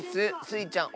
スイちゃん